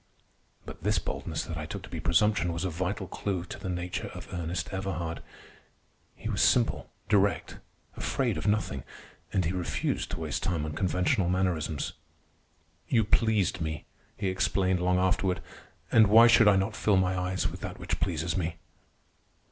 But this boldness that I took to be presumption was a vital clew to the nature of Ernest Everhard. He was simple, direct, afraid of nothing, and he refused to waste time on conventional mannerisms. "You pleased me," he explained long afterward; "and why should I not fill my eyes with that which pleases me?"